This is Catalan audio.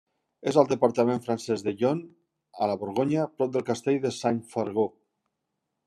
És al departament francès del Yonne, a la Borgonya, prop del castell de Saint-Fargeau.